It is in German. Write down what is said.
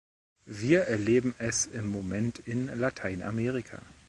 Wir erleben es im Moment in Lateinamerika.